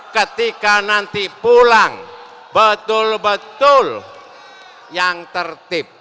ketika nanti pulang betul betul yang tertib